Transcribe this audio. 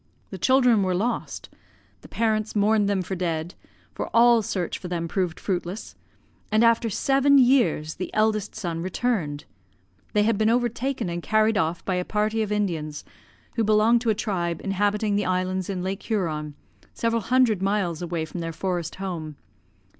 The children were lost; the parents mourned them for dead, for all search for them proved fruitless, and after seven years the eldest son returned. They had been overtaken and carried off by a party of Indians, who belonged to a tribe inhabiting the islands in Lake Huron, several hundred miles away from their forest home.